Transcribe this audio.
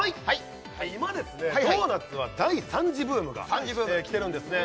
今ドーナツは第３次ブームがきてるんですね